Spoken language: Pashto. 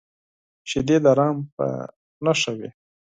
شیدې د رحم په نښه وي